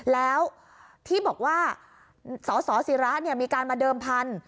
แล้วที่บอกว่าสสิระมีการมาเดิมพันธุ